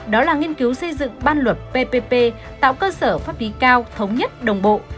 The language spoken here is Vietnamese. đó là nghiên cứu xây dựng ban luật ppp tạo cơ sở pháp lý cao thống nhất đồng bộ